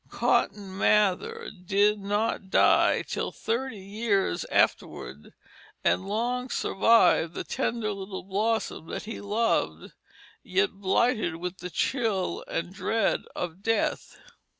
Cotton Mather did not die till thirty years afterward, and long survived the tender little blossom that he loved yet blighted with the chill and dread of death.